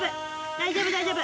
大丈夫大丈夫！